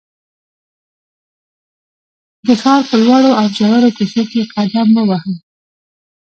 د ښار په لوړو او ژورو کوڅو کې قدم ووهم.